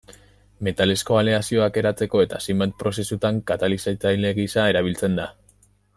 Metalezko aleazioak eratzeko eta zenbait prozesutan katalizatzaile gisa erabiltzen da.